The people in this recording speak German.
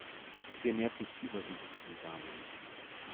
Sie ernährt sich überwiegend von Samen.